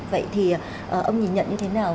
vậy thì ông nhìn nhận như thế nào